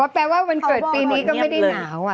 แปลว่าวันเกิดปีนี้ก็ไม่ได้หนาว